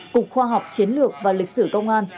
cục khoa học chiến lược và lịch sử công an